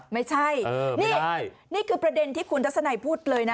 ไม่ใช่นี่นี่คือประเด็นที่คุณทัศนัยพูดเลยนะ